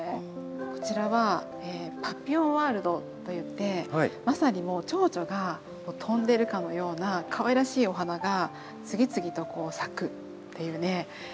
こちらは‘パピヨンワールド’といってまさにもうチョウチョが飛んでるかのようなかわいらしいお花が次々とこう咲くっていうね